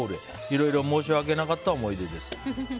いろいろ申し訳なかった思い出です。